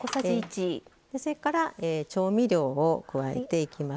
それから調味料を加えてきます。